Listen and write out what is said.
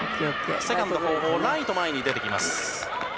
セカンド後方ライト前に出てきます。